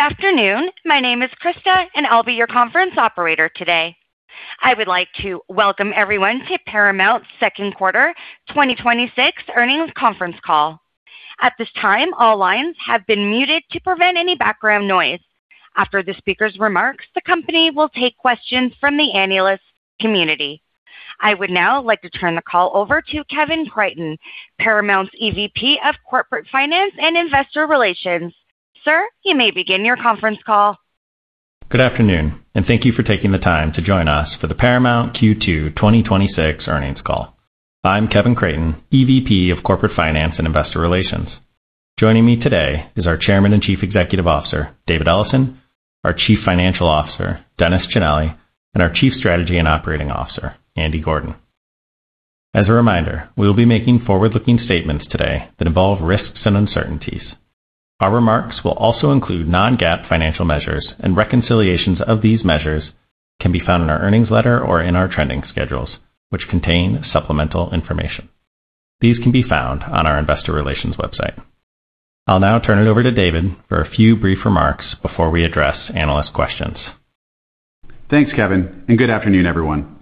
Good afternoon. My name is Krista, and I'll be your conference operator today. I would like to welcome everyone to Paramount's second quarter 2026 earnings conference call. At this time, all lines have been muted to prevent any background noise. After the speaker's remarks, the company will take questions from the analyst community. I would now like to turn the call over to Kevin Creighton, Paramount's EVP of Corporate Finance and Investor Relations. Sir, you may begin your conference call. Good afternoon. Thank you for taking the time to join us for the Paramount Q2 2026 earnings call. I'm Kevin Creighton, EVP of Corporate Finance and Investor Relations. Joining me today is our Chairman and Chief Executive Officer, David Ellison, our Chief Financial Officer, Dennis Cinelli, and our Chief Strategy and Operating Officer, Andy Gordon. As a reminder, we'll be making forward-looking statements today that involve risks and uncertainties. Our remarks will also include non-GAAP financial measures. Reconciliations of these measures can be found in our earnings letter or in our trending schedules, which contain supplemental information. These can be found on our Investor Relations website. I'll now turn it over to David for a few brief remarks before we address analyst questions. Thanks, Kevin. Good afternoon, everyone.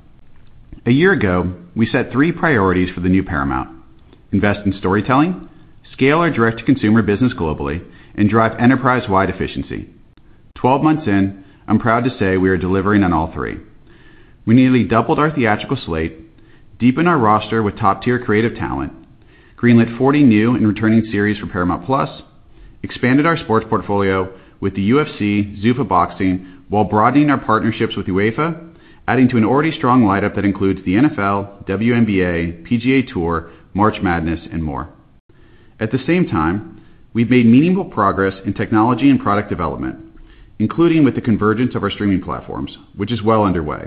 A year ago, we set three priorities for the new Paramount: invest in storytelling, scale our direct-to-consumer business globally, and drive enterprise-wide efficiency. 12 months in, I'm proud to say we are delivering on all three. We nearly doubled our theatrical slate, deepened our roster with top-tier creative talent, greenlit 40 new and returning series for Paramount+, expanded our sports portfolio with the UFC, Zuffa Boxing, while broadening our partnerships with UEFA, adding to an already strong lineup that includes the NFL, WNBA, PGA Tour, March Madness, and more. At the same time, we've made meaningful progress in technology and product development, including with the convergence of our streaming platforms, which is well underway,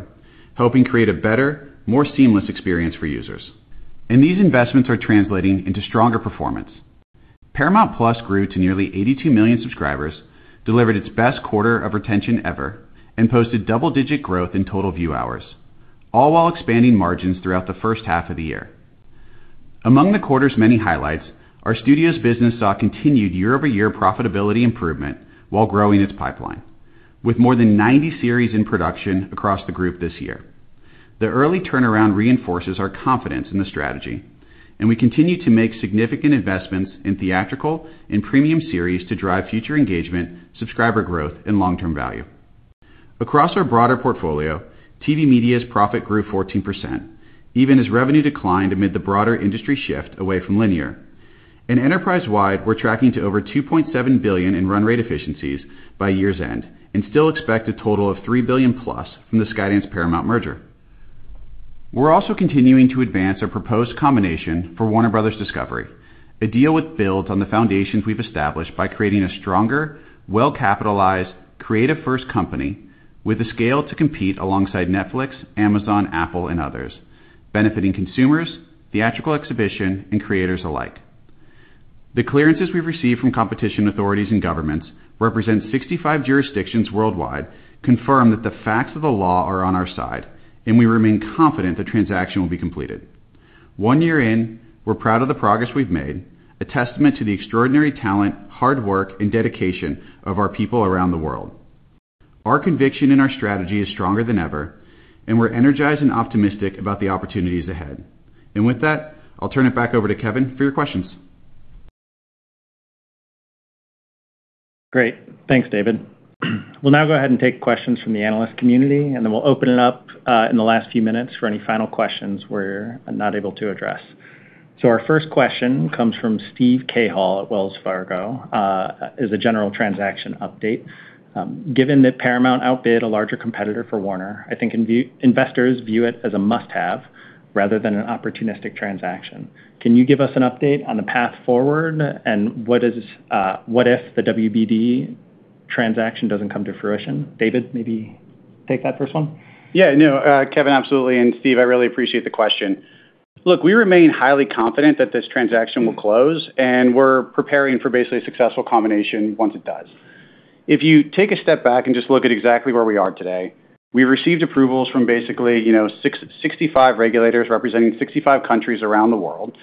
helping create a better, more seamless experience for users. These investments are translating into stronger performance. Paramount+ grew to nearly 82 million subscribers, delivered its best quarter of retention ever, and posted double-digit growth in total view hours, all while expanding margins throughout the first half of the year. Among the quarter's many highlights, our studios business saw continued year-over-year profitability improvement while growing its pipeline. With more than 90 series in production across the group this year. The early turnaround reinforces our confidence in the strategy. We continue to make significant investments in theatrical and premium series to drive future engagement, subscriber growth, and long-term value. Across our broader portfolio, TV Media's profit grew 14%, even as revenue declined amid the broader industry shift away from linear. Enterprise-wide, we're tracking to over $2.7 billion in run rate efficiencies by year's end and still expect a total of $3 billion+ from the Skydance Paramount merger. We're also continuing to advance a proposed combination for Warner Bros. Discovery, a deal which builds on the foundations we've established by creating a stronger, well-capitalized, creative-first company with the scale to compete alongside Netflix, Amazon, Apple, and others, benefiting consumers, theatrical exhibition, and creators alike. The clearances we've received from competition authorities and governments represent 65 jurisdictions worldwide, confirm that the facts of the law are on our side, and we remain confident the transaction will be completed. One year in, we're proud of the progress we've made, a testament to the extraordinary talent, hard work, and dedication of our people around the world. Our conviction in our strategy is stronger than ever, and we're energized and optimistic about the opportunities ahead. With that, I'll turn it back over to Kevin for your questions. Great. Thanks, David. We'll now go ahead and take questions from the analyst community, and then we'll open it up in the last few minutes for any final questions we're not able to address. Our first question comes from Steve Cahall at Wells Fargo. As a general transaction update, given that Paramount outbid a larger competitor for Warner, I think investors view it as a must-have rather than an opportunistic transaction. Can you give us an update on the path forward and what if the WBD transaction doesn't come to fruition? David, maybe take that first one. Kevin, absolutely. Steve, I really appreciate the question. Look, we remain highly confident that this transaction will close, and we're preparing for basically a successful combination once it does. If you take a step back and just look at exactly where we are today, we received approvals from basically 65 regulators representing 65 countries around the world,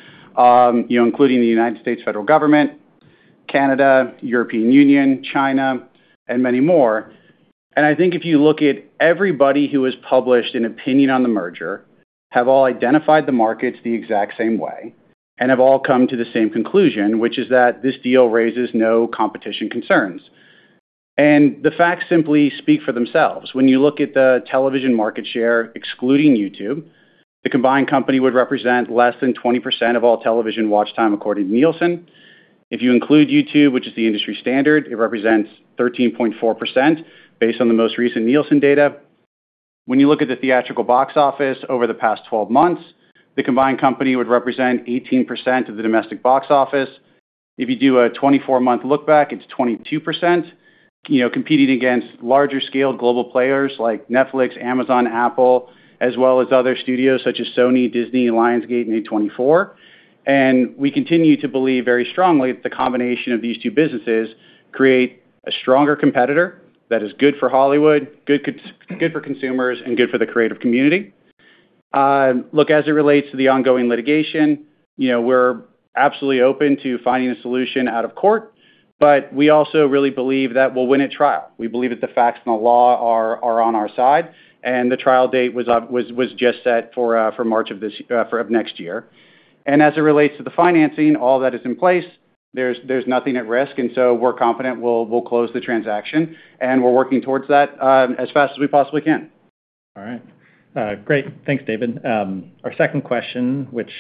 including the U.S. federal government, Canada, European Union, China, and many more. I think if you look at everybody who has published an opinion on the merger, have all identified the markets the exact same way and have all come to the same conclusion, which is that this deal raises no competition concerns. The facts simply speak for themselves. When you look at the television market share, excluding YouTube, the combined company would represent less than 20% of all television watch time according to Nielsen. If you include YouTube, which is the industry standard, it represents 13.4% based on the most recent Nielsen data. When you look at the theatrical box office over the past 12 months, the combined company would represent 18% of the domestic box office. If you do a 24-month look back, it's 22%, competing against larger scale global players like Netflix, Amazon, Apple, as well as other studios such as Sony, Disney, Lionsgate, and A24. We continue to believe very strongly that the combination of these two businesses create a stronger competitor that is good for Hollywood, good for consumers, and good for the creative community. As it relates to the ongoing litigation, we're absolutely open to finding a solution out of court, we also really believe that we'll win at trial. We believe that the facts and the law are on our side, the trial date was just set for March of next year. As it relates to the financing, all that is in place. There's nothing at risk, we're confident we'll close the transaction, we're working towards that as fast as we possibly can. All right. Great. Thanks, David. Our second question, which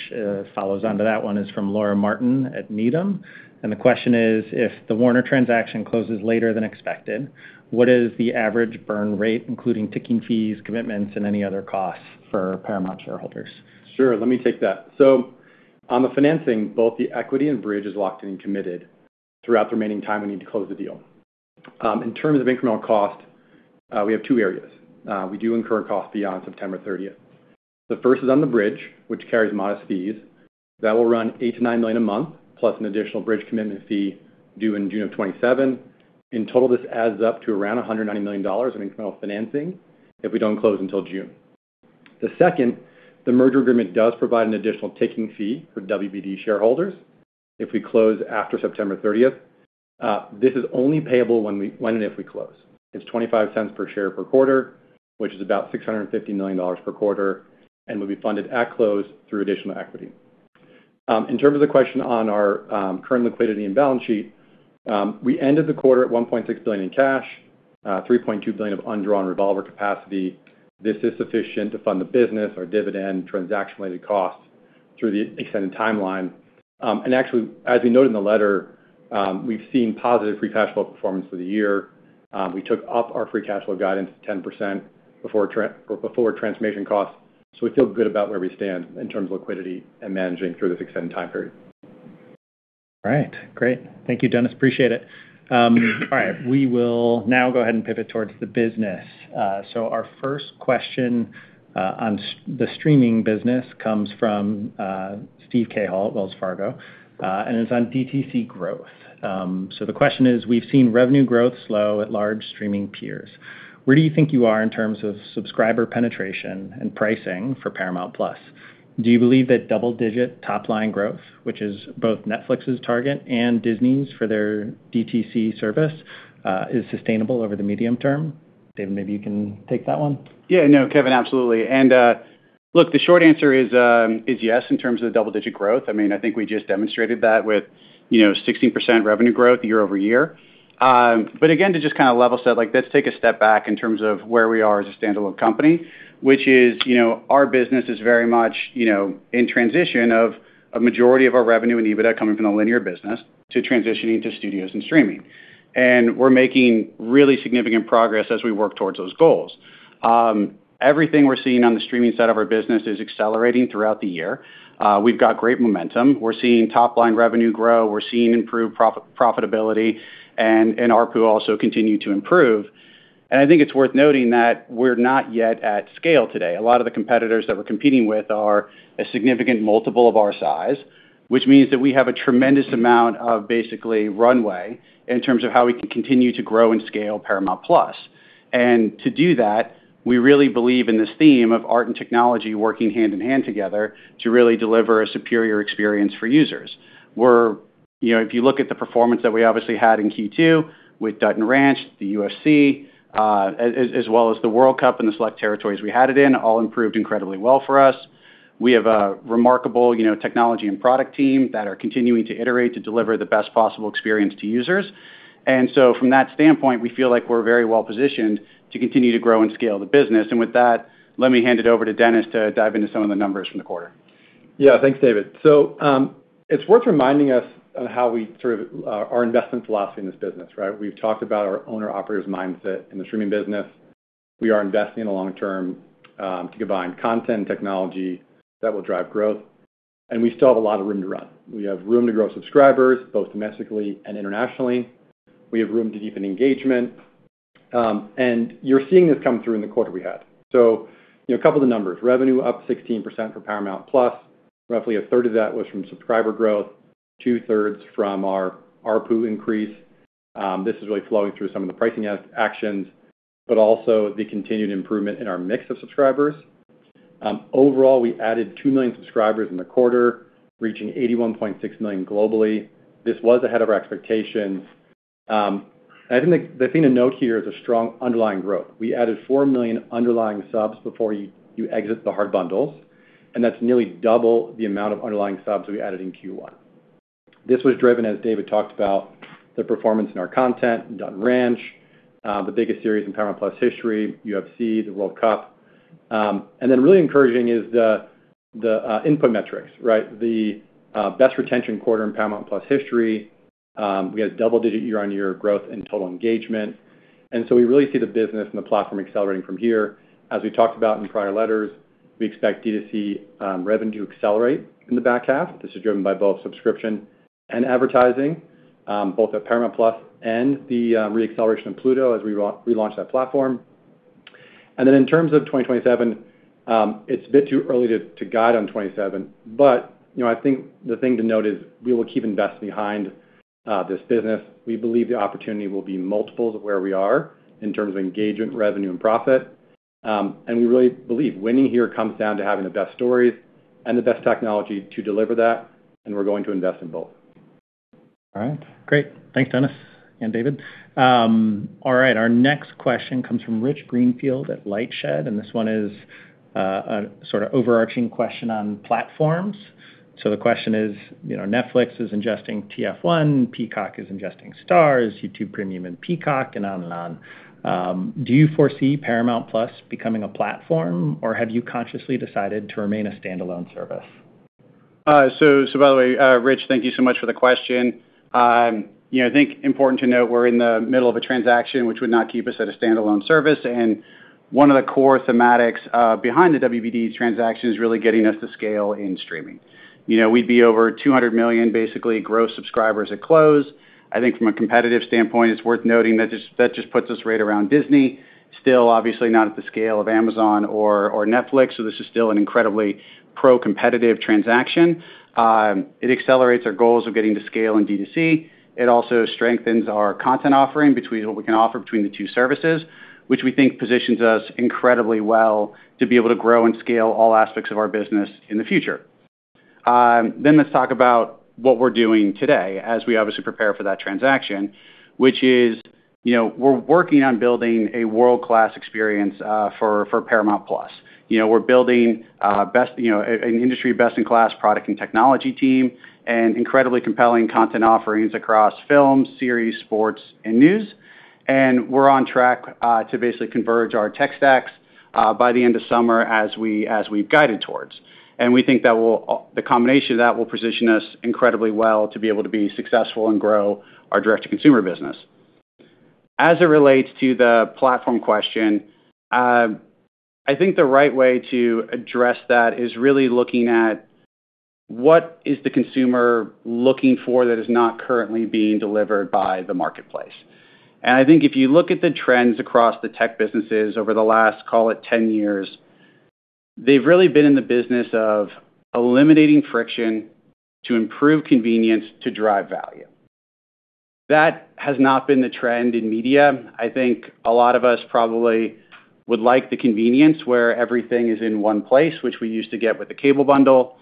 follows on to that one, is from Laura Martin at Needham, the question is: If the Warner transaction closes later than expected, what is the average burn rate, including ticking fees, commitments, and any other costs for Paramount shareholders? Sure, let me take that. On the financing, both the equity and bridge is locked and committed throughout the remaining time we need to close the deal. In terms of incremental cost, we have two areas. We do incur costs beyond September 30th. The first is on the bridge, which carries modest fees. That will run $8 million to $9 million a month, plus an additional bridge commitment fee due in June of 2027. In total, this adds up to around $190 million in incremental financing if we don't close until June. The second, the merger agreement does provide an additional ticking fee for WBD shareholders if we close after September 30th. This is only payable when and if we close. It's $0.25 per share per quarter, which is about $650 million per quarter, will be funded at close through additional equity. In terms of the question on our current liquidity and balance sheet, we ended the quarter at $1.6 billion in cash, $3.2 billion of undrawn revolver capacity. This is sufficient to fund the business, our dividend, transaction-related costs through the extended timeline. Actually, as we noted in the letter, we've seen positive free cash flow performance for the year. We took up our free cash flow guidance to 10% before transformation costs. We feel good about where we stand in terms of liquidity and managing through this extended time period. All right. Great. Thank you, Dennis. Appreciate it. All right. We will now go ahead and pivot towards the business. Our first question on the streaming business comes from Steve Cahall at Wells Fargo, and it's on DTC growth. The question is: We've seen revenue growth slow at large streaming peers. Where do you think you are in terms of subscriber penetration and pricing for Paramount+? Do you believe that double-digit top-line growth, which is both Netflix's target and Disney's for their DTC service, is sustainable over the medium term? David, maybe you can take that one. Yeah. No, Kevin, absolutely. Look, the short answer is yes, in terms of the double-digit growth. I think we just demonstrated that with 16% revenue growth year-over-year. But again, to just kind of level set, let's take a step back in terms of where we are as a standalone company. Which is, our business is very much in transition of a majority of our revenue and EBITDA coming from the linear business to transitioning to studios and streaming. We're making really significant progress as we work towards those goals. Everything we're seeing on the streaming side of our business is accelerating throughout the year. We've got great momentum. We're seeing top-line revenue grow. We're seeing improved profitability and ARPU also continue to improve. I think it's worth noting that we're not yet at scale today. A lot of the competitors that we're competing with are a significant multiple of our size, which means that we have a tremendous amount of basically runway in terms of how we can continue to grow and scale Paramount+. To do that, we really believe in this theme of art and technology working hand in hand together to really deliver a superior experience for users. If you look at the performance that we obviously had in Q2 with Dutton Ranch, the UFC, as well as the World Cup in the select territories we had it in, all improved incredibly well for us. We have a remarkable technology and product team that are continuing to iterate to deliver the best possible experience to users. From that standpoint, we feel like we're very well positioned to continue to grow and scale the business. With that, let me hand it over to Dennis to dive into some of the numbers from the quarter. Yeah. Thanks, David. It's worth reminding us of our investment philosophy in this business, right? We've talked about our owner/operator's mindset in the streaming business. We are investing in the long term to combine content and technology that will drive growth, and we still have a lot of room to run. We have room to grow subscribers, both domestically and internationally. We have room to deepen engagement. You're seeing this come through in the quarter we had. A couple of the numbers. Revenue up 16% for Paramount+. Roughly a third of that was from subscriber growth, two thirds from our ARPU increase. This is really flowing through some of the pricing actions, but also the continued improvement in our mix of subscribers. Overall, we added 2 million subscribers in the quarter, reaching 81.6 million globally. This was ahead of our expectations. I think the thing to note here is the strong underlying growth. We added 4 million underlying subs before you exit the hard bundles, and that's nearly double the amount of underlying subs we added in Q1. This was driven, as David talked about, the performance in our content, Dutton Ranch, the biggest series in Paramount+ history, UFC, the World Cup. Really encouraging is the input metrics, right? The best retention quarter in Paramount+ history. We had a double-digit year-over-year growth in total engagement. We really see the business and the platform accelerating from here. As we talked about in prior letters, we expect DTC revenue to accelerate in the back half. This is driven by both subscription and advertising, both at Paramount+ and the re-acceleration of Pluto as we relaunch that platform. In terms of 2027, it's a bit too early to guide on 2027. I think the thing to note is we will keep investing behind. This business. We believe the opportunity will be multiples of where we are in terms of engagement, revenue, and profit. We really believe winning here comes down to having the best stories and the best technology to deliver that, and we're going to invest in both. All right. Great. Thanks, Dennis and David. All right. Our next question comes from Rich Greenfield at LightShed, this one is a sort of overarching question on platforms. The question is, Netflix is ingesting TF1, Peacock is ingesting Star, YouTube Premium and Peacock, and on and on. Do you foresee Paramount+ becoming a platform, or have you consciously decided to remain a standalone service? By the way, Rich, thank you so much for the question. I think important to note we're in the middle of a transaction which would not keep us at a standalone service, and one of the core thematics behind the WBD transaction is really getting us to scale in streaming. We'd be over 200 million, basically, gross subscribers at close. I think from a competitive standpoint, it's worth noting that just puts us right around Disney. Still, obviously not at the scale of Amazon or Netflix, so this is still an incredibly pro-competitive transaction. It accelerates our goals of getting to scale in D2C. It also strengthens our content offering between what we can offer between the two services, which we think positions us incredibly well to be able to grow and scale all aspects of our business in the future. Let's talk about what we're doing today as we obviously prepare for that transaction, which is we're working on building a world-class experience for Paramount+. We're building an industry best-in-class product and technology team and incredibly compelling content offerings across films, series, sports, and news. We're on track to basically converge our tech stacks by the end of summer as we've guided towards. We think the combination of that will position us incredibly well to be able to be successful and grow our direct-to-consumer business. As it relates to the platform question, I think the right way to address that is really looking at what is the consumer looking for that is not currently being delivered by the marketplace. I think if you look at the trends across the tech businesses over the last, call it 10 years, they've really been in the business of eliminating friction to improve convenience to drive value. That has not been the trend in media. I think a lot of us probably would like the convenience where everything is in one place, which we used to get with the cable bundle.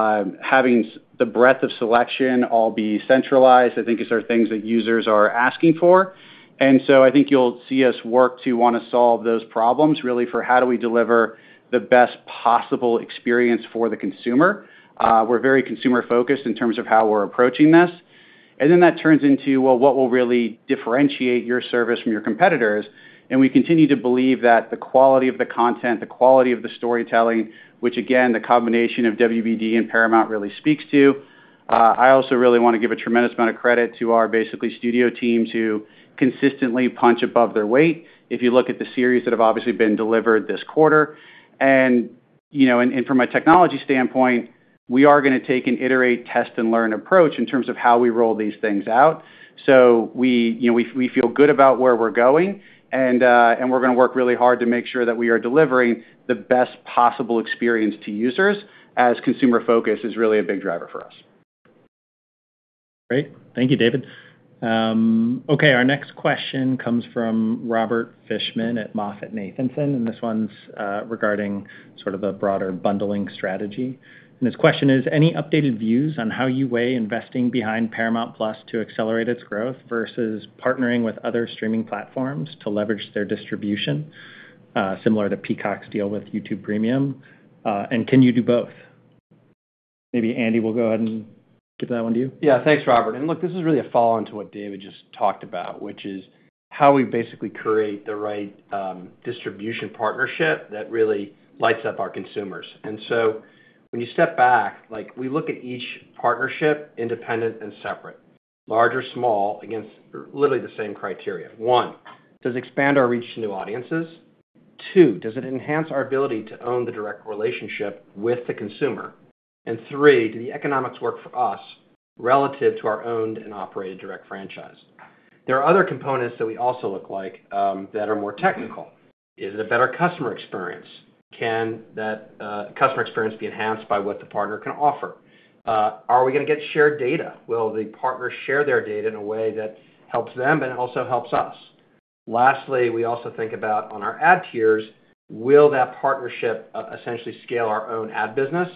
Having the breadth of selection all be centralized, I think is sort of things that users are asking for. I think you'll see us work to want to solve those problems, really for how do we deliver the best possible experience for the consumer. We're very consumer-focused in terms of how we're approaching this. That turns into, well, what will really differentiate your service from your competitors, and we continue to believe that the quality of the content, the quality of the storytelling, which again, the combination of WBD and Paramount really speaks to. I also really want to give a tremendous amount of credit to our basically studio teams who consistently punch above their weight. If you look at the series that have obviously been delivered this quarter. From a technology standpoint, we are going to take an iterate test and learn approach in terms of how we roll these things out. We feel good about where we're going and we're going to work really hard to make sure that we are delivering the best possible experience to users as consumer focus is really a big driver for us. Great. Thank you, David. Our next question comes from Robert Fishman at MoffettNathanson, this one's regarding sort of a broader bundling strategy. His question is, any updated views on how you weigh investing behind Paramount+ to accelerate its growth versus partnering with other streaming platforms to leverage their distribution, similar to Peacock's deal with YouTube Premium? Can you do both? Maybe Andy will go ahead and give that one to you. Yeah. Thanks, Robert. Look, this is really a follow-on to what David just talked about, which is how we basically create the right distribution partnership that really lights up our consumers. When you step back, we look at each partnership independent and separate. Large or small, against literally the same criteria. One, does it expand our reach to new audiences? Two, does it enhance our ability to own the direct relationship with the consumer? Three, do the economics work for us relative to our owned and operated direct franchise? There are other components that we also look like that are more technical. Is it a better customer experience? Can that customer experience be enhanced by what the partner can offer? Are we going to get shared data? Will the partners share their data in a way that helps them and also helps us? Lastly, we also think about on our ad tiers, will that partnership essentially scale our own ad business,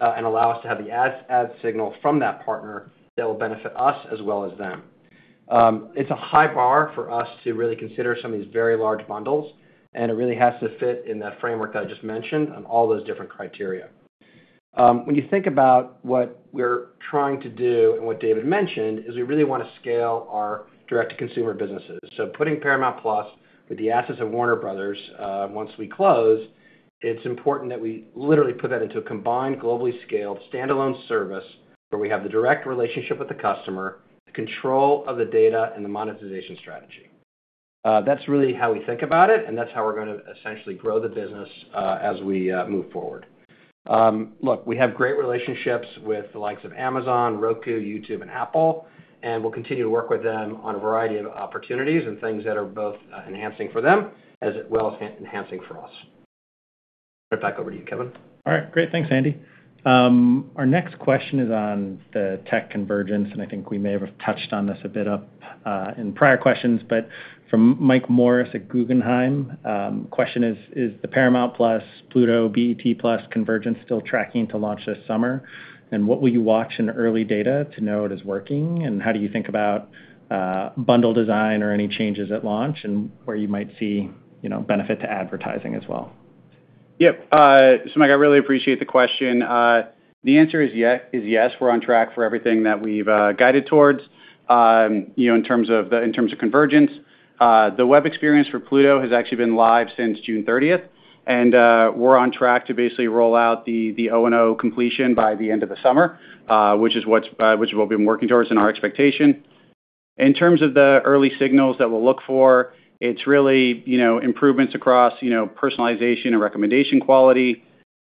and allow us to have the ad signal from that partner that will benefit us as well as them? It's a high bar for us to really consider some of these very large bundles, and it really has to fit in that framework that I just mentioned on all those different criteria. When you think about what we're trying to do and what David mentioned, is we really want to scale our direct-to-consumer businesses. Putting Paramount+ with the assets of Warner Bros., once we close, it's important that we literally put that into a combined, globally scaled standalone service where we have the direct relationship with the customer, the control of the data, and the monetization strategy. That's really how we think about it, and that's how we're going to essentially grow the business as we move forward. Look, we have great relationships with the likes of Amazon, Roku, YouTube, and Apple, and we'll continue to work with them on a variety of opportunities and things that are both enhancing for them as well as enhancing for us. Right back over to you, Kevin. All right, great. Thanks, Andy. Our next question is on the tech convergence. I think we may have touched on this a bit up in prior questions, from Mike Morris at Guggenheim. Question is: Is the Paramount+ Pluto BET+ convergence still tracking to launch this summer? What will you watch in early data to know it is working? How do you think about bundle design or any changes at launch and where you might see benefit to advertising as well? Yep. Mike, I really appreciate the question. The answer is yes, we're on track for everything that we've guided towards in terms of convergence. The web experience for Pluto has actually been live since June 30th. We're on track to basically roll out the O&O completion by the end of the summer, which is what we've been working towards and our expectation. In terms of the early signals that we'll look for, it's really improvements across personalization and recommendation quality,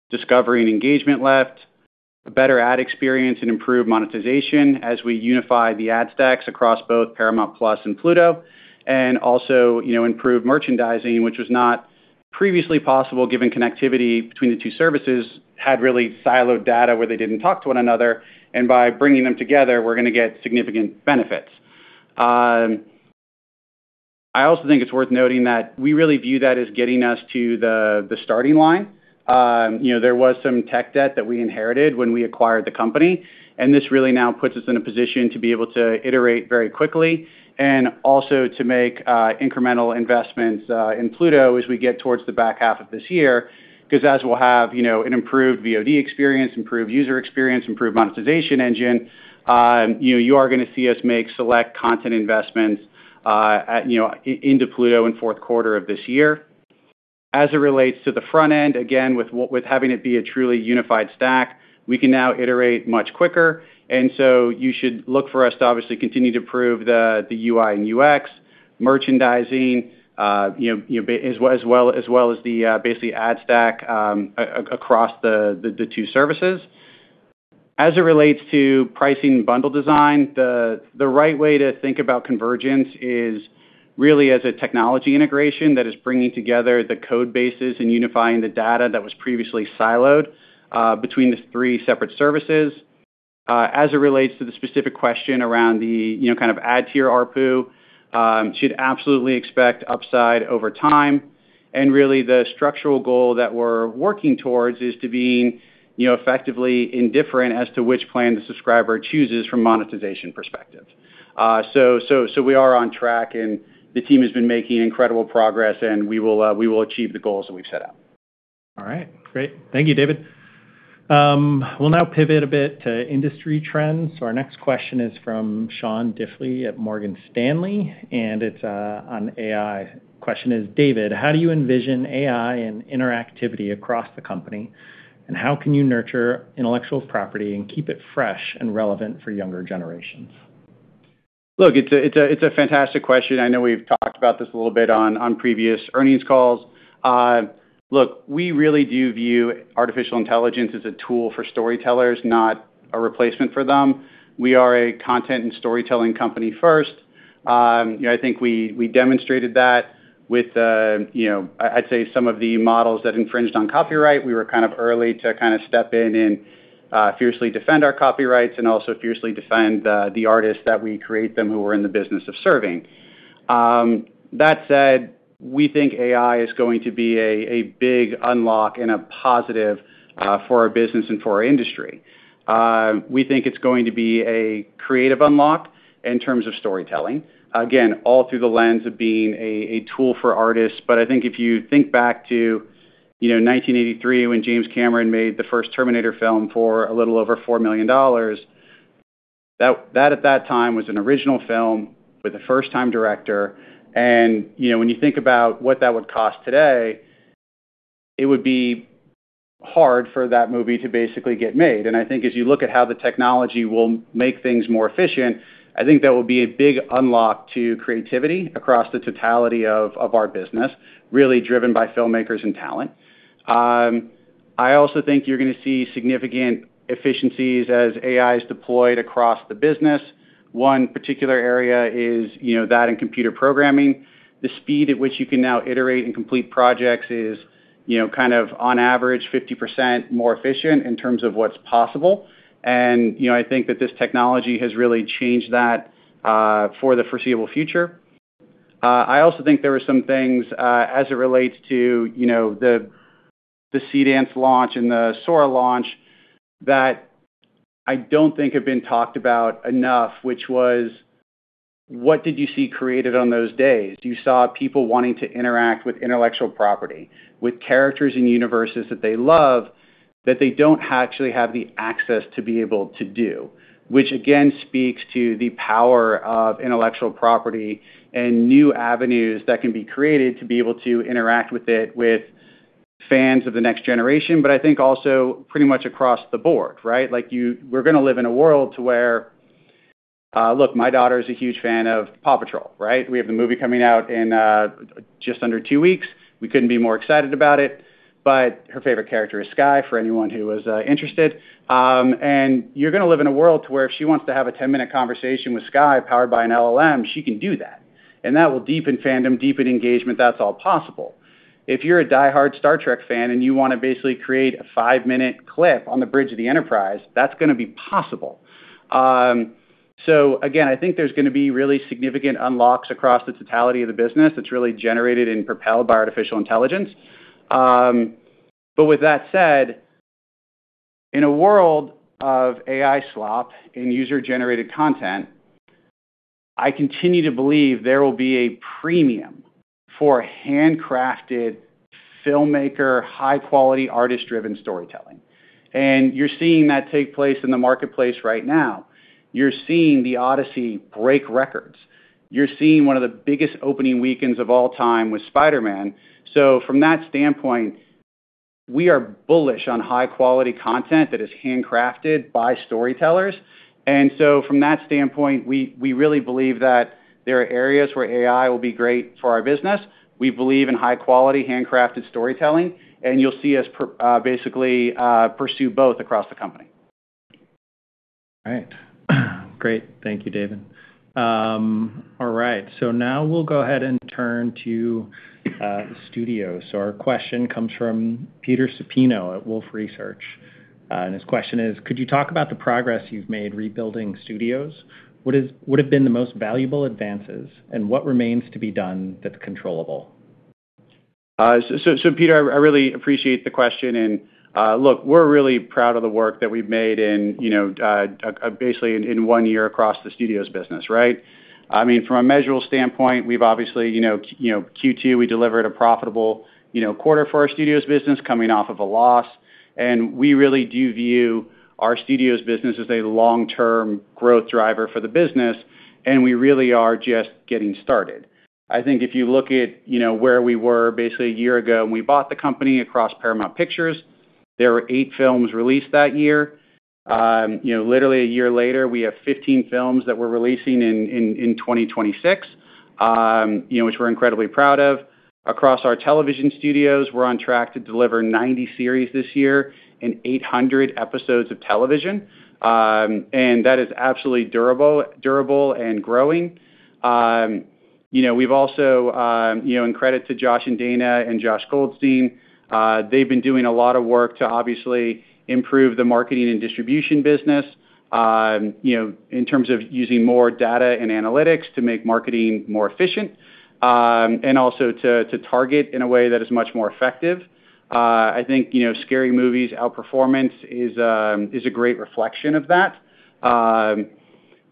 discovery and engagement left, a better ad experience and improved monetization as we unify the ad stacks across both Paramount+ and Pluto, also improve merchandising, which was not previously possible given connectivity between the two services, had really siloed data where they didn't talk to one another. By bringing them together, we're going to get significant benefits. I also think it's worth noting that we really view that as getting us to the starting line. There was some tech debt that we inherited when we acquired the company, and this really now puts us in a position to be able to iterate very quickly and also to make incremental investments in Pluto as we get towards the back half of this year. Because as we'll have an improved VOD experience, improved user experience, improved monetization engine, you are going to see us make select content investments into Pluto in fourth quarter of this year. As it relates to the front end, again, with having it be a truly unified stack, we can now iterate much quicker. You should look for us to obviously continue to improve the UI and UX, merchandising, as well as the, basically, ad stack across the two services. As it relates to pricing bundle design, the right way to think about convergence is really as a technology integration that is bringing together the code bases and unifying the data that was previously siloed between the three separate services. As it relates to the specific question around the ad tier ARPU, should absolutely expect upside over time. The structural goal that we're working towards is to being effectively indifferent as to which plan the subscriber chooses from a monetization perspective. We are on track and the team has been making incredible progress, and we will achieve the goals that we've set out. All right. Great. Thank you, David. We'll now pivot a bit to industry trends. Our next question is from Sean Diffley at Morgan Stanley, and it's on AI. Question is: David, how do you envision AI and interactivity across the company? How can you nurture intellectual property and keep it fresh and relevant for younger generations? Look, it's a fantastic question. I know we've talked about this a little bit on previous earnings calls. Look, we really do view artificial intelligence as a tool for storytellers, not a replacement for them. We are a content and storytelling company first. I think we demonstrated that with, I'd say, some of the models that infringed on copyright. We were kind of early to step in and fiercely defend our copyrights and also fiercely defend the artists that we create them who we're in the business of serving. That said, we think AI is going to be a big unlock and a positive for our business and for our industry. We think it's going to be a creative unlock in terms of storytelling. Again, all through the lens of being a tool for artists. I think if you think back to 1983 when James Cameron made the first "Terminator" film for a little over $4 million, that at that time was an original film with a first-time director. When you think about what that would cost today, it would be hard for that movie to basically get made. I think as you look at how the technology will make things more efficient, I think that will be a big unlock to creativity across the totality of our business, really driven by filmmakers and talent. I also think you're going to see significant efficiencies as AI is deployed across the business. One particular area is that and computer programming. The speed at which you can now iterate and complete projects is on average 50% more efficient in terms of what's possible. I think that this technology has really changed that for the foreseeable future. I also think there are some things, as it relates to the Seedance launch and the Sora launch, that I don't think have been talked about enough, which was, what did you see created on those days? You saw people wanting to interact with intellectual property, with characters and universes that they love, that they don't actually have the access to be able to do. Which again speaks to the power of intellectual property and new avenues that can be created to be able to interact with it with fans of the next generation. I think also pretty much across the board, right? We're going to live in a world to where. Look, my daughter's a huge fan of "PAW Patrol," right? We have the movie coming out in just under two weeks. We couldn't be more excited about it, but her favorite character is Skye, for anyone who was interested. You're going to live in a world to where if she wants to have a 10-minute conversation with Skye powered by an LLM, she can do that. That will deepen fandom, deepen engagement. That's all possible. If you're a diehard "Star Trek" fan and you want to basically create a five-minute clip on the bridge of the Enterprise, that's going to be possible. Again, I think there's going to be really significant unlocks across the totality of the business that's really generated and propelled by artificial intelligence. With that said, in a world of AI slop and user-generated content, I continue to believe there will be a premium for handcrafted filmmaker, high-quality, artist-driven storytelling. You're seeing that take place in the marketplace right now. You're seeing "The Odyssey" break records. You're seeing one of the biggest opening weekends of all time with "Spider-Man." From that standpoint, we are bullish on high-quality content that is handcrafted by storytellers. From that standpoint, we really believe that there are areas where AI will be great for our business. We believe in high-quality, handcrafted storytelling, and you'll see us basically pursue both across the company. All right. Great. Thank you, David. Now we'll go ahead and turn to Studios. Our question comes from Peter Supino at Wolfe Research. His question is: Could you talk about the progress you've made rebuilding Studios? What have been the most valuable advances, and what remains to be done that's controllable? Peter, I really appreciate the question. Look, we're really proud of the work that we've made basically in one year across the Studios business, right? From a measurable standpoint, we've obviously, Q2, we delivered a profitable quarter for our Studios business coming off of a loss. We really do view our Studios business as a long-term growth driver for the business, and we really are just getting started. I think if you look at where we were basically a year ago when we bought the company across Paramount Pictures, there were eight films released that year. Literally a year later, we have 15 films that we're releasing in 2026, which we're incredibly proud of. Across our Television Studios, we're on track to deliver 90 series this year and 800 episodes of television. That is absolutely durable and growing. We've also, in credit to Josh and Dana and Josh Goldstine, they've been doing a lot of work to obviously improve the marketing and distribution business, in terms of using more data and analytics to make marketing more efficient. Also to target in a way that is much more effective. I think "Scary Movie's" outperformance is a great reflection of that.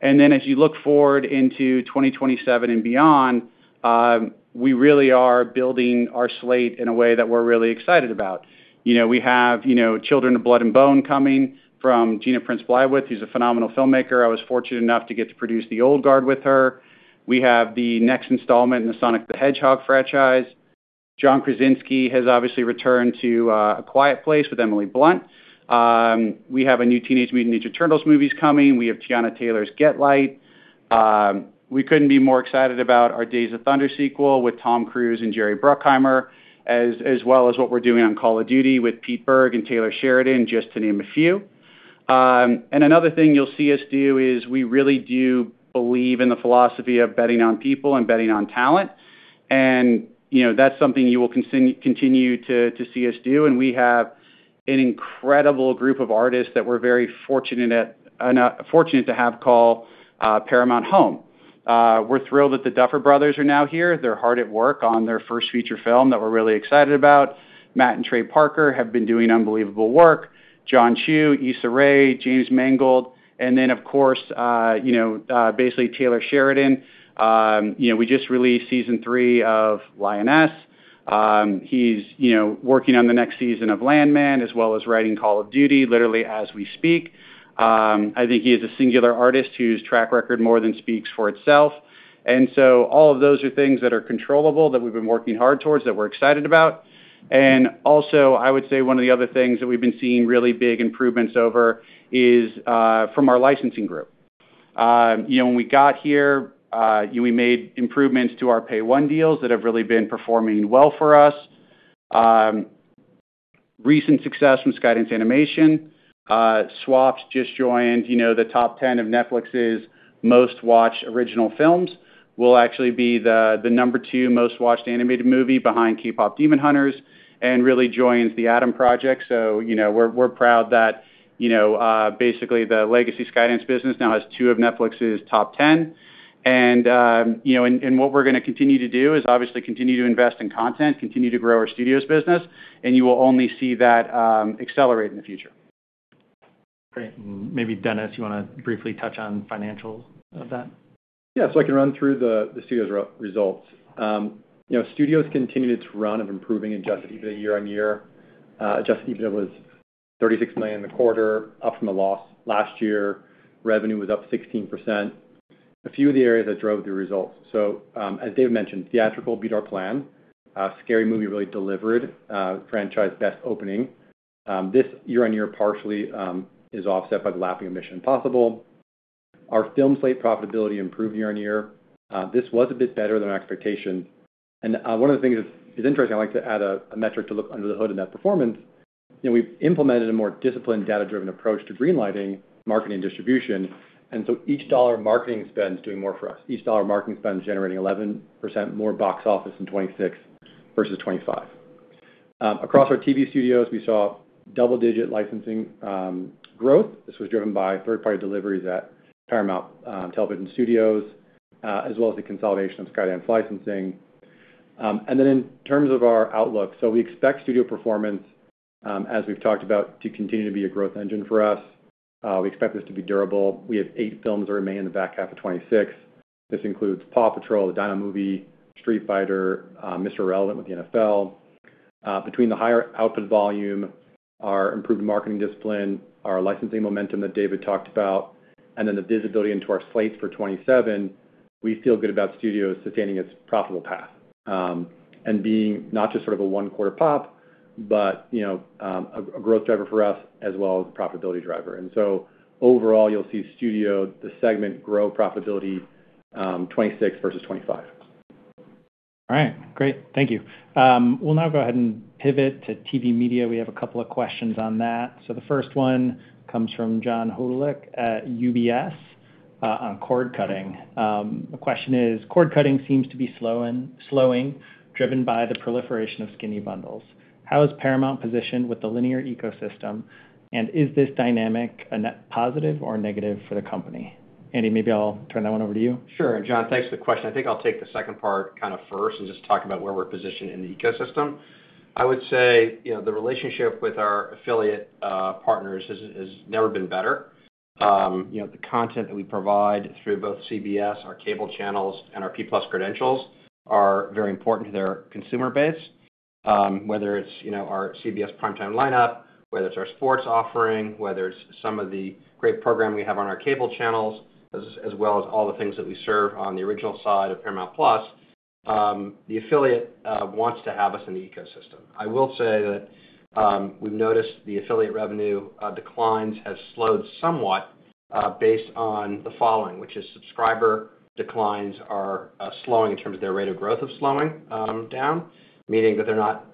Then as you look forward into 2027 and beyond, we really are building our slate in a way that we're really excited about. We have "Children of Blood and Bone" coming from Gina Prince-Bythewood, who's a phenomenal filmmaker. I was fortunate enough to get to produce "The Old Guard" with her. We have the next installment in the "Sonic the Hedgehog" franchise. John Krasinski has obviously returned to "A Quiet Place" with Emily Blunt. We have a new "Teenage Mutant Ninja Turtles" movies coming. We have Teyonah Parris' "Get Light." We couldn't be more excited about our "Days of Thunder" sequel with Tom Cruise and Jerry Bruckheimer, as well as what we're doing on "Call of Duty" with Pete Berg and Taylor Sheridan, just to name a few. Another thing you'll see us do is we really do believe in the philosophy of betting on people and betting on talent. That's something you will continue to see us do, and we have an incredible group of artists that we're very fortunate to have call Paramount home. We're thrilled that the Duffer Brothers are now here. They're hard at work on their first feature film that we're really excited about. Matt and Trey Parker have been doing unbelievable work. Jon Chu, Issa Rae, James Mangold, and then of course, basically Taylor Sheridan. We just released season three of "Lioness." He's working on the next season of "Landman," as well as writing "Call of Duty," literally as we speak. I think he is a singular artist whose track record more than speaks for itself. So all of those are things that are controllable, that we've been working hard towards, that we're excited about. Also, I would say one of the other things that we've been seeing really big improvements over is from our licensing group. When we got here, we made improvements to our Pay 1 deals that have really been performing well for us. Recent success from Skydance Animation. Swapped" just joined the top 10 of Netflix's most-watched original films, will actually be the number two most-watched animated movie behind "K-Pop: Demon Hunters," and really joins "The Adam Project." We're proud that basically the legacy Skydance business now has two of Netflix's top 10. What we're going to continue to do is obviously continue to invest in content, continue to grow our Studios business, and you will only see that accelerate in the future. Great. Maybe Dennis, you want to briefly touch on financials of that? Yeah. I can run through the Studios results. Studios continued its run of improving adjusted EBITDA year-on-year. Adjusted EBITDA was $36 million in the quarter, up from a loss last year. Revenue was up 16%. A few of the areas that drove the results. As Dave mentioned, theatrical beat our plan. "Scary Movie" really delivered. Franchise best opening. This year-on-year partially is offset by the lapping of "Mission: Impossible." Our film slate profitability improved year-on-year. This was a bit better than our expectation. One of the things that's interesting, I'd like to add a metric to look under the hood in that performance We've implemented a more disciplined data-driven approach to greenlighting, marketing, distribution, so each dollar of marketing spend is doing more for us. Each dollar of marketing spend is generating 11% more box office in 2026 versus 2025. Across our TV studios, we saw double-digit licensing growth. This was driven by third-party deliveries at Paramount Television Studios, as well as the consolidation of Skydance licensing. In terms of our outlook, we expect studio performance, as we've talked about, to continue to be a growth engine for us. We expect this to be durable. We have eight films that remain in the back half of 2026. This includes "Paw Patrol: The Dino Movie," "Street Fighter," "Mr. Irrelevant" with the NFL. Between the higher output volume, our improved marketing discipline, our licensing momentum that David talked about, and then the visibility into our slates for 2027, we feel good about studios sustaining its profitable path, and being not just sort of a one-quarter pop, but a growth driver for us as well as a profitability driver. Overall, you'll see studio, the segment, grow profitability 2026 versus 2025. All right. Great. Thank you. We'll now go ahead and pivot to TV media. We have a couple of questions on that. The first one comes from John Hodulik at UBS, on cord cutting. The question is: cord cutting seems to be slowing, driven by the proliferation of skinny bundles. How is Paramount positioned with the linear ecosystem, and is this dynamic a net positive or a negative for the company? Andy, maybe I'll turn that one over to you. Sure. John, thanks for the question. I think I'll take the second part kind of first and just talk about where we're positioned in the ecosystem. I would say, the relationship with our affiliate partners has never been better. The content that we provide through both CBS, our cable channels, and our P+ credentials are very important to their consumer base. Whether it's our CBS prime time lineup, whether it's our sports offering, whether it's some of the great program we have on our cable channels, as well as all the things that we serve on the original side of Paramount+, the affiliate wants to have us in the ecosystem. I will say that we've noticed the affiliate revenue declines have slowed somewhat based on the following, which is subscriber declines are slowing in terms of their rate of growth of slowing down, meaning that they're not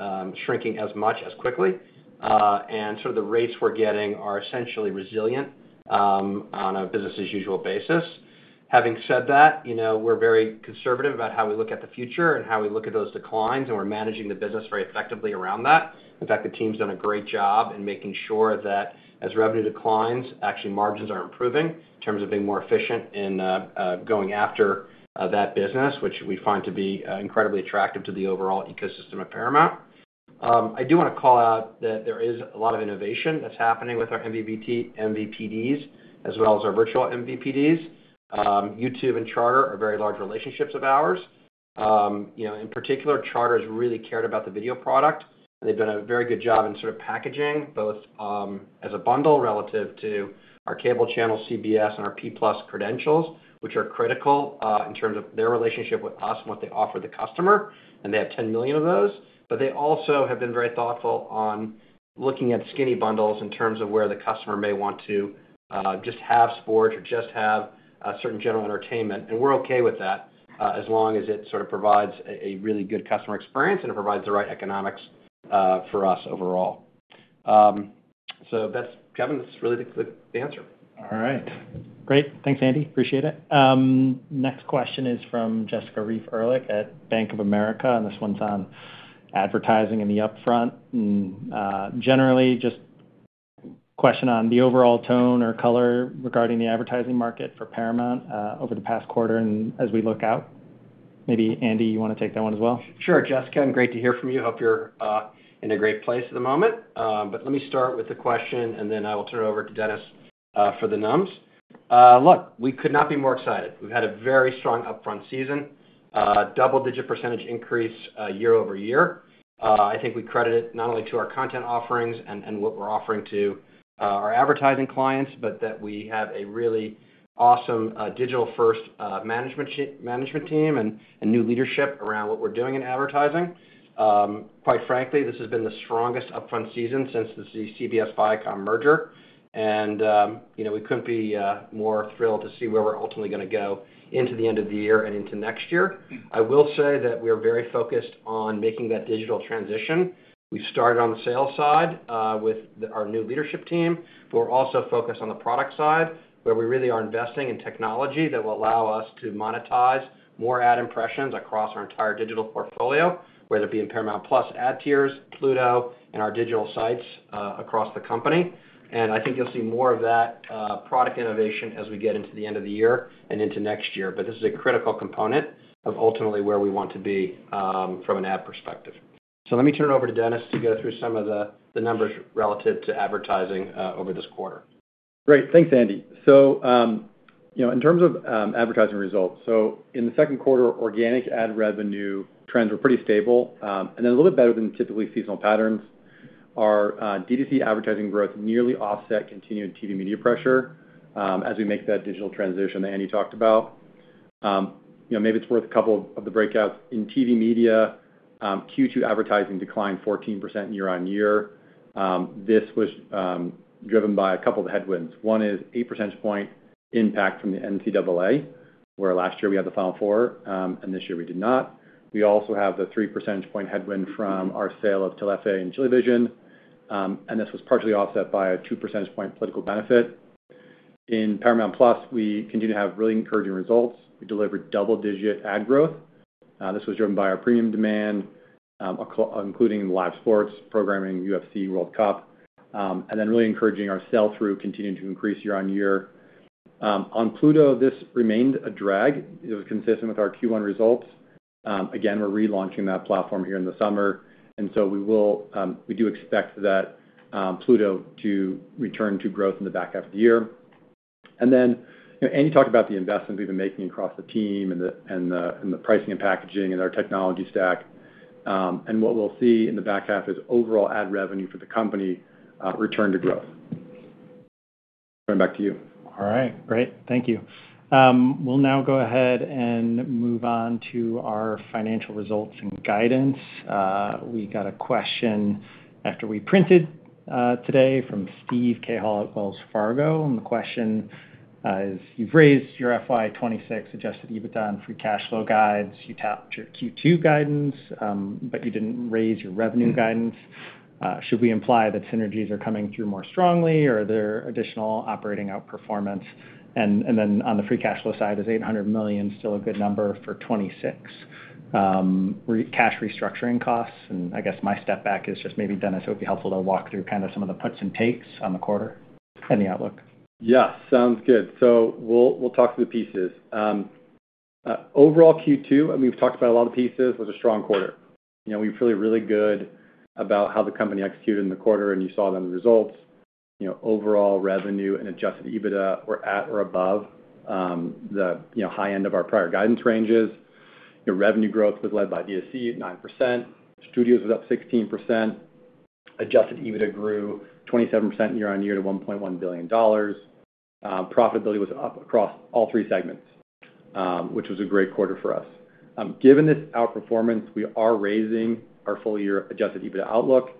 shrinking as much as quickly. Sort of the rates we're getting are essentially resilient, on a business as usual basis. Having said that, we're very conservative about how we look at the future and how we look at those declines, and we're managing the business very effectively around that. In fact, the team's done a great job in making sure that as revenue declines, actually margins are improving in terms of being more efficient in going after that business, which we find to be incredibly attractive to the overall ecosystem at Paramount. I do want to call out that there is a lot of innovation that's happening with our MVPDs as well as our virtual MVPDs. YouTube and Charter are very large relationships of ours. In particular, Charter has really cared about the video product. They've done a very good job in sort of packaging both, as a bundle relative to our cable channel, CBS and our P+ credentials, which are critical, in terms of their relationship with us and what they offer the customer. They have 10 million of those. They also have been very thoughtful on looking at skinny bundles in terms of where the customer may want to just have sports or just have certain general entertainment. We're okay with that, as long as it sort of provides a really good customer experience and it provides the right economics for us overall. Kevin, that's really the answer. All right. Great. Thanks, Andy. Appreciate it. Next question is from Jessica Reif Ehrlich at Bank of America. This one's on advertising in the upfront, generally just question on the overall tone or color regarding the advertising market for Paramount over the past quarter and as we look out. Maybe Andy, you want to take that one as well? Sure. Jessica, great to hear from you. Hope you're in a great place at the moment. Let me start with the question and then I will turn it over to Dennis for the numbers. Look, we could not be more excited. We've had a very strong upfront season, double-digit percentage increase year-over-year. I think we credit it not only to our content offerings and what we're offering to our advertising clients, but that we have a really awesome digital-first management team and a new leadership around what we're doing in advertising. Quite frankly, this has been the strongest upfront season since the CBS-Viacom merger. We couldn't be more thrilled to see where we're ultimately going to go into the end of the year and into next year. I will say that we are very focused on making that digital transition. We've started on the sales side with our new leadership team, we're also focused on the product side, where we really are investing in technology that will allow us to monetize more ad impressions across our entire digital portfolio, whether it be in Paramount+ ad tiers, Pluto, and our digital sites across the company. I think you'll see more of that product innovation as we get into the end of the year and into next year. This is a critical component of ultimately where we want to be from an ad perspective. Let me turn it over to Dennis to go through some of the numbers relative to advertising over this quarter. Great. Thanks, Andy. In terms of advertising results, in the second quarter, organic ad revenue trends were pretty stable, then a little bit better than typically seasonal patterns. Our D2C advertising growth nearly offset continued TV media pressure, as we make that digital transition that Andy talked about. Maybe it's worth a couple of the breakouts. In TV media, Q2 advertising declined 14% year-on-year. This was driven by a couple of headwinds. One is 8 percentage point impact from the NCAA, where last year we had the Final Four, and this year we did not. We also have the 3 percentage point headwind from our sale of Telefe and Univision. This was partially offset by a 2 percentage point political benefit. In Paramount+, we continue to have really encouraging results. We delivered double-digit ad growth. This was driven by our premium demand, including live sports programming, UFC, World Cup, then really encouraging our sell-through continuing to increase year-on-year. On Pluto, this remained a drag. It was consistent with our Q1 results. Again, we're relaunching that platform here in the summer, we do expect that Pluto to return to growth in the back half of the year. Andy talked about the investments we've been making across the team and the pricing and packaging and our technology stack. What we'll see in the back half is overall ad revenue for the company return to growth. Going back to you. All right. Great. Thank you. We'll now go ahead and move on to our financial results and guidance. We got a question after we printed today from Steve Cahall at Wells Fargo, and the question is, "You've raised your FY 2026 adjusted EBITDA and free cash flow guides. You tapped your Q2 guidance, but you didn't raise your revenue guidance. Should we imply that synergies are coming through more strongly, or are there additional operating outperformance? And then on the free cash flow side, is $800 million still a good number for 2026 cash restructuring costs?" I guess my step back is just maybe, Dennis, it would be helpful to walk through kind of some of the puts and takes on the quarter and the outlook. Yeah. Sounds good. We'll talk through the pieces. Overall Q2, and we've talked about a lot of the pieces, was a strong quarter. We feel really good about how the company executed in the quarter, and you saw in the results. Overall revenue and adjusted EBITDA were at or above the high end of our prior guidance ranges. Revenue growth was led by DTC at 9%. Studios was up 16%. Adjusted EBITDA grew 27% year-on-year to $1.1 billion. Profitability was up across all three segments, which was a great quarter for us. Given this outperformance, we are raising our full year adjusted EBITDA outlook.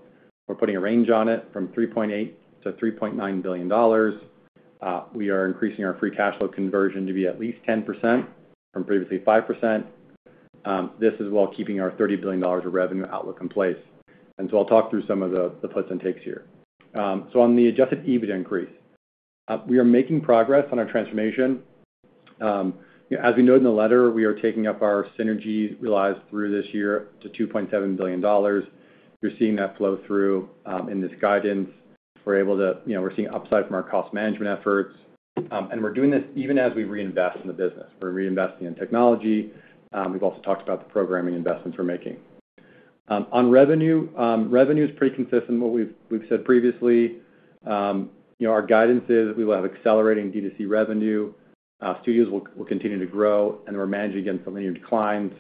We're putting a range on it from $3.8 billion-$3.9 billion. We are increasing our free cash flow conversion to be at least 10% from previously 5%. This is while keeping our $30 billion of revenue outlook in place. I'll talk through some of the puts and takes here. On the adjusted EBITDA increase, we are making progress on our transformation. As we noted in the letter, we are taking up our synergies realized through this year to $2.7 billion. You're seeing that flow through in this guidance. We're seeing upside from our cost management efforts, and we're doing this even as we reinvest in the business. We're reinvesting in technology. We've also talked about the programming investments we're making. On revenue is pretty consistent with what we've said previously. Our guidance is we will have accelerating D2C revenue. Studios will continue to grow, and we're managing against the linear declines.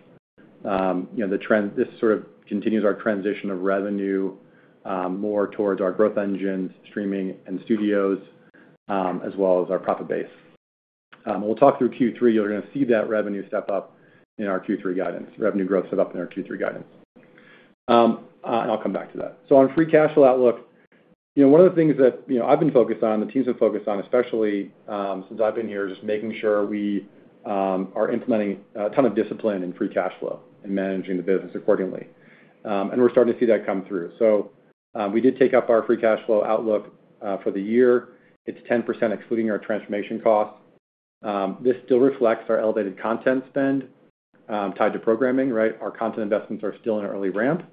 This sort of continues our transition of revenue more towards our growth engines, streaming and studios, as well as our profit base. We'll talk through Q3. You're going to see that revenue step-up in our Q3 guidance. Revenue growth step-up in our Q3 guidance. I'll come back to that. On free cash flow outlook, one of the things that I've been focused on, the teams have focused on, especially since I've been here, just making sure we are implementing a ton of discipline in free cash flow and managing the business accordingly. We're starting to see that come through. We did take up our free cash flow outlook for the year. It's 10%, excluding our transformation costs. This still reflects our elevated content spend tied to programming. Our content investments are still in early ramp,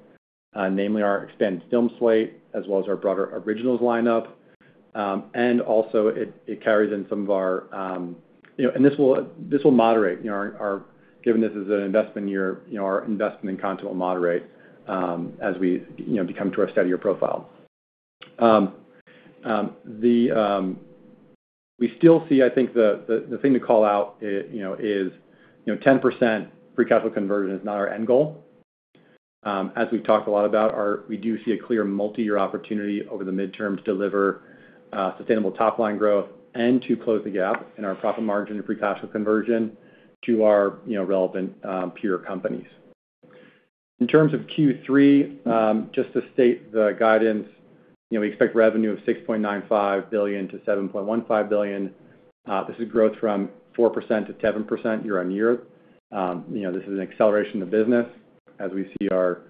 namely our extended film slate as well as our broader originals lineup. Also it carries in some of our. This will moderate. Given this is an investment year, our investment in content will moderate as we become to our steadier profile. We still see, the thing to call out is 10% free cash flow conversion is not our end goal. As we've talked a lot about, we do see a clear multi-year opportunity over the midterm to deliver sustainable top-line growth and to close the gap in our profit margin and free cash flow conversion to our relevant peer companies. In terms of Q3, just to state the guidance, we expect revenue of $6.95 billion-$7.15 billion. This is growth from 4%-7% year-on-year. This is an acceleration of business as we see our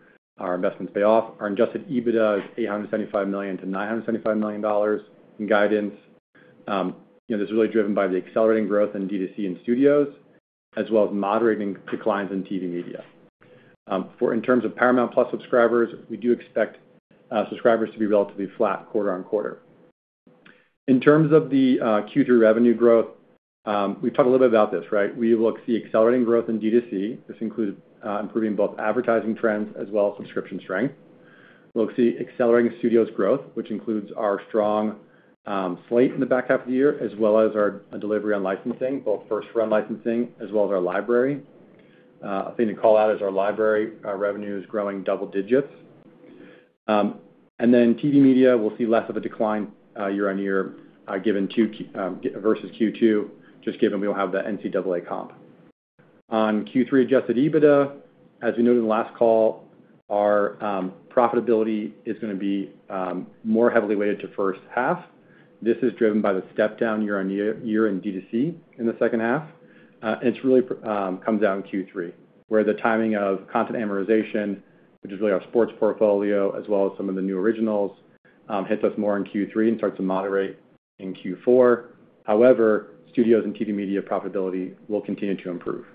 investments pay off. Our adjusted EBITDA is $875 million-$975 million in guidance. This is really driven by the accelerating growth in D2C and studios, as well as moderating declines in TV media. In terms of Paramount+ subscribers, we do expect subscribers to be relatively flat quarter-on-quarter. In terms of the Q2 revenue growth, we've talked a little bit about this. We will see accelerating growth in D2C. This includes improving both advertising trends as well as subscription strength. We'll see accelerating studios growth, which includes our strong slate in the back half of the year, as well as our delivery on licensing, both first-run licensing as well as our library. A thing to call out is our library revenue is growing double digits. TV media will see less of a decline year-on-year versus Q2, just given we don't have that NCAA comp. On Q3 adjusted EBITDA, as we noted in the last call, our profitability is going to be more heavily weighted to first half. This is driven by the step down year-on-year in D2C in the second half. It really comes out in Q3, where the timing of content amortization, which is really our sports portfolio as well as some of the new originals hits us more in Q3 and starts to moderate in Q4. However, studios and TV media profitability will continue to improve.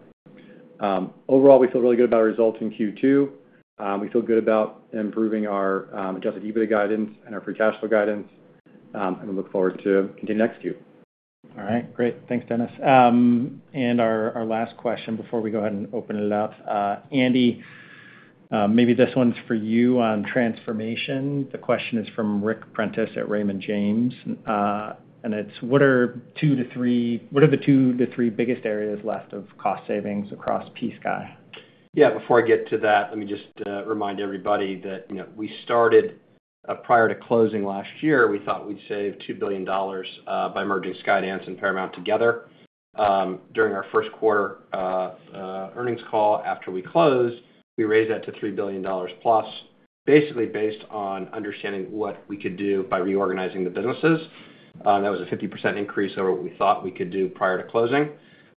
Overall, we feel really good about our results in Q2. We feel good about improving our adjusted EBITDA guidance and our free cash flow guidance, and we look forward to continue next Q. All right, great. Thanks, Dennis. Our last question before we go ahead and open it up. Andy, maybe this one's for you on transformation. The question is from Ric Prentiss at Raymond James, and it's: what are the two to three biggest areas left of cost savings across Sky? Before I get to that, let me just remind everybody that we started prior to closing last year, we thought we'd save $2 billion by merging Skydance and Paramount together. During our first quarter earnings call after we closed, we raised that to $3 billion+, basically based on understanding what we could do by reorganizing the businesses. That was a 50% increase over what we thought we could do prior to closing.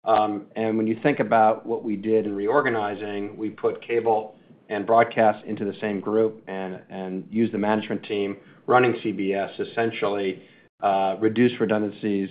When you think about what we did in reorganizing, we put cable and broadcast into the same group and used the management team running CBS, essentially reduced redundancies,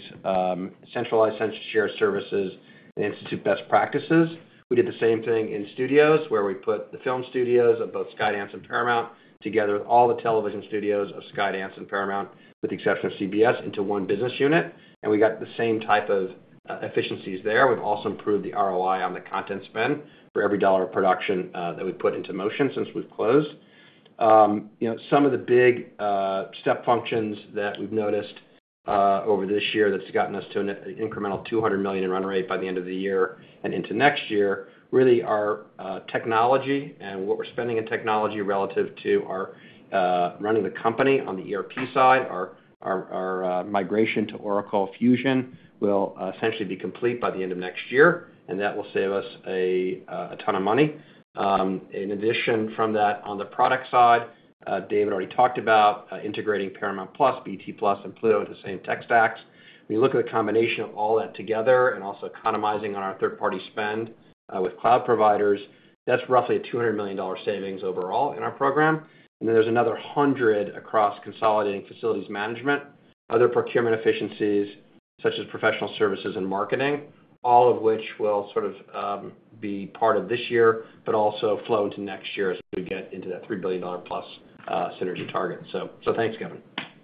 centralized shared services, and instituted best practices. We did the same thing in studios, where we put the film studios of both Skydance and Paramount together with all the television studios of Skydance and Paramount, with the exception of CBS, into one business unit. We got the same type of efficiencies there. We've also improved the ROI on the content spend for every dollar of production that we've put into motion since we've closed. Some of the big step functions that we've noticed over this year that's gotten us to an incremental $200 million in run rate by the end of the year and into next year, really are technology and what we're spending in technology relative to our running the company on the ERP side. Our migration to Oracle Fusion will essentially be complete by the end of next year. That will save us a ton of money. In addition from that, on the product side, David already talked about integrating Paramount+, BET+, and Pluto into the same tech stacks. We look at the combination of all that together and also economizing on our third-party spend with cloud providers. That's roughly a $200 million savings overall in our program. Then there's another $100 million across consolidating facilities management, other procurement efficiencies such as professional services and marketing, all of which will sort of be part of this year, but also flow into next year as we get into that $3 billion+ synergy target. Thanks, Kevin.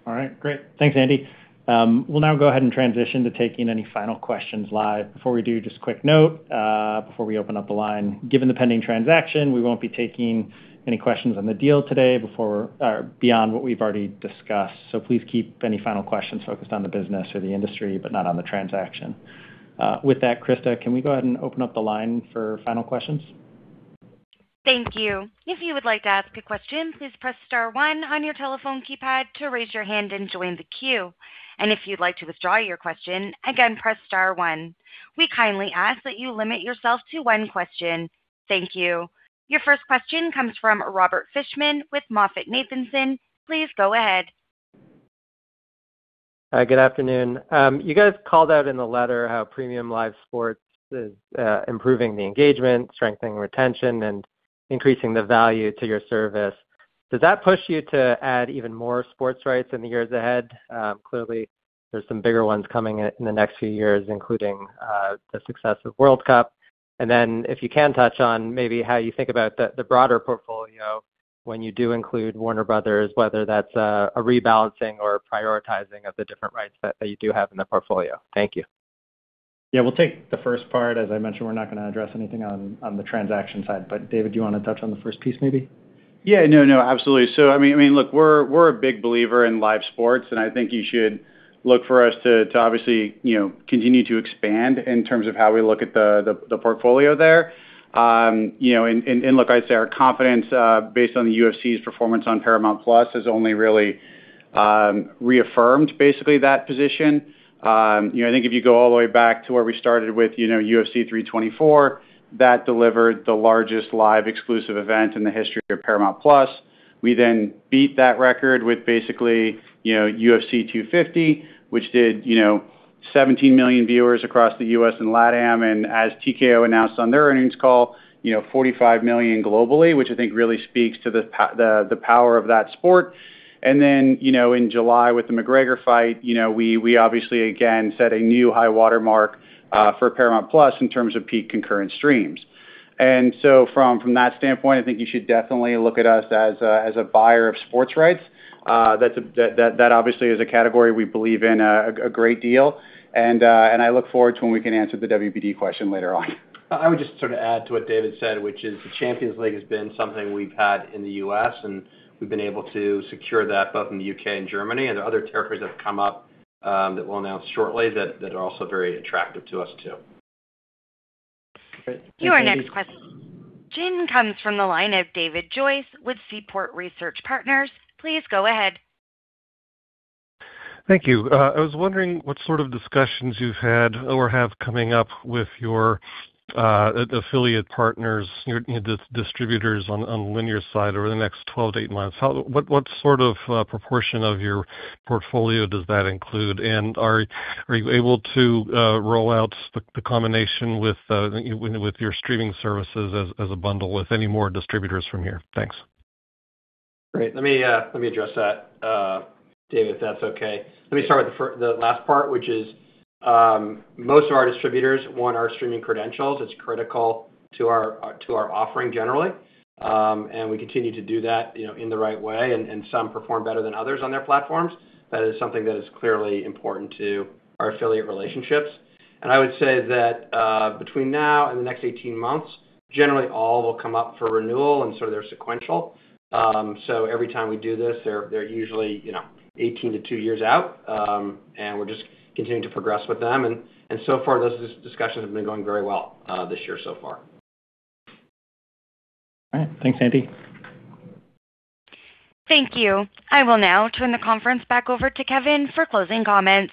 All right, great. Thanks, Andy. We'll now go ahead and transition to taking any final questions live. Before we do, just a quick note before we open up the line. Given the pending transaction, we won't be taking any questions on the deal today beyond what we've already discussed. Please keep any final questions focused on the business or the industry, but not on the transaction. With that, Krista, can we go ahead and open up the line for final questions? Thank you. If you would like to ask a question, please press star one on your telephone keypad to raise your hand and join the queue. If you'd like to withdraw your question, again press star one. We kindly ask that you limit yourself to one question. Thank you. Your first question comes from Robert Fishman with MoffettNathanson. Please go ahead. Hi, good afternoon. You guys called out in the letter how Premium Live Sports is improving the engagement, strengthening retention, and increasing the value to your service. Does that push you to add even more sports rights in the years ahead? Clearly, there's some bigger ones coming in the next few years, including the success of World Cup. Then if you can touch on maybe how you think about the broader portfolio when you do include Warner Bros., whether that's a rebalancing or prioritizing of the different rights that you do have in the portfolio. Thank you. Yeah, we'll take the first part. As I mentioned, we're not going to address anything on the transaction side. David, do you want to touch on the first piece maybe? Yeah. No, absolutely. We're a big believer in live sports, and I think you should look for us to obviously continue to expand in terms of how we look at the portfolio there. Look, I'd say our confidence, based on the UFC's performance on Paramount+, has only really reaffirmed, basically, that position. I think if you go all the way back to where we started with UFC 324, that delivered the largest live exclusive event in the history of Paramount+. We then beat that record with basically UFC 250, which did 17 million viewers across the U.S. and LATAM, and as TKO announced on their earnings call, 45 million globally, which I think really speaks to the power of that sport. In July with the McGregor fight, we obviously, again, set a new high water mark for Paramount+ in terms of peak concurrent streams. From that standpoint, I think you should definitely look at us as a buyer of sports rights. That obviously is a category we believe in a great deal, and I look forward to when we can answer the WBD question later on. I would just sort of add to what David said, which is the Champions League has been something we've had in the U.S., and we've been able to secure that both in the U.K. and Germany and other territories that have come up that we'll announce shortly that are also very attractive to us, too. Great. Your next question comes from the line of David Joyce with Seaport Research Partners. Please go ahead. Thank you. I was wondering what sort of discussions you've had or have coming up with your affiliate partners, your distributors on the linear side over the next 12 to 18 months. What sort of proportion of your portfolio does that include? Are you able to roll out the combination with your streaming services as a bundle with any more distributors from here? Thanks. Great. Let me address that, David, if that's okay. Let me start with the last part, which is most of our distributors want our streaming credentials. It's critical to our offering generally. We continue to do that in the right way, and some perform better than others on their platforms. That is something that is clearly important to our affiliate relationships. I would say that between now and the next 18 months, generally all will come up for renewal, they're sequential. Every time we do this, they're usually 18 to two years out, and we're just continuing to progress with them. Those discussions have been going very well this year so far. All right. Thanks, Andy. Thank you. I will now turn the conference back over to Kevin for closing comments.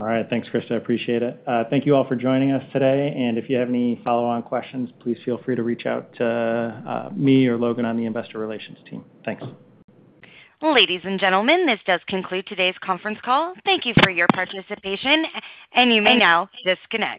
All right. Thanks, Krista, appreciate it. Thank you all for joining us today. If you have any follow-on questions, please feel free to reach out to me or Logan on the Investor Relations team. Thanks. Ladies and gentlemen, this does conclude today's conference call. Thank you for your participation, and you may now disconnect.